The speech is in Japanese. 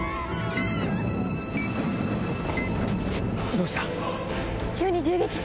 どうした？